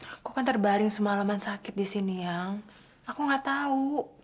aku kan terbaring semalaman sakit disini aku gak tahu